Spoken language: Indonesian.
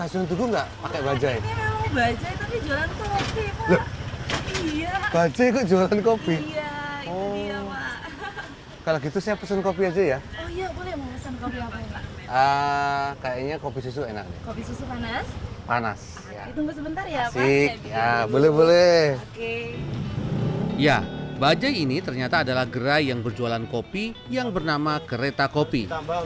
ya bajai ini ternyata adalah gerai yang berjualan kopi yang bernama gereta kopi